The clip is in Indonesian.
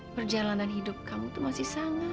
perjalanan hidup kamu tuh masih sangat panjang